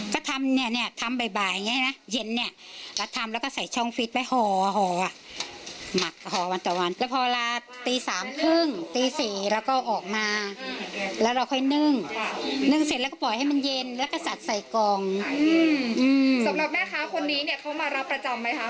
สำหรับแม่ค้าคนนี้เข้ามารับประจำไหมคะ